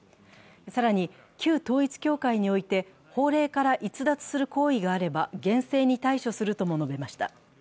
更に、旧統一教会において法令から逸脱する行為があれば厳正に対処するとも述べました。